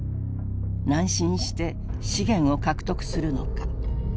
南進して資源を獲得するのか。